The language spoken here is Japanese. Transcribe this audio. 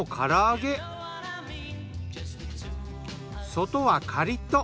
外はカリッと。